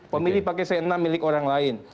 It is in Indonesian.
pemilih pakai sena milik orang lain